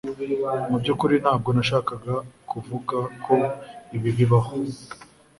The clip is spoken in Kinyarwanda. Mu byukuri ntabwo nashakaga kuvuga ko ibi bibaho